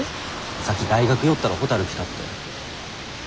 さっき大学寄ったらほたる来たって。